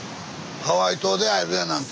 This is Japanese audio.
ハワイ島で会えるやなんて。